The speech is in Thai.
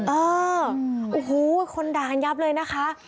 เออโอ้โหคนด่ากันยับเลยนะคะ